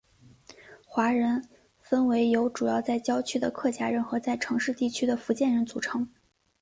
华人分为由主要在郊区的客家人和在城市地区的福建人组成。